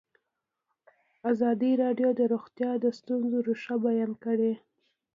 ازادي راډیو د روغتیا د ستونزو رېښه بیان کړې.